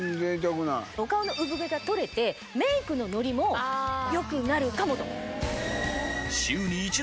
お顔のうぶ毛が取れてメイクのノリも良くなるかもと。